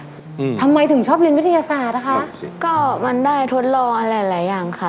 อืมทำไมถึงชอบเรียนวิทยาศาสตร์นะคะก็มันได้ทดลองอะไรหลายหลายอย่างค่ะ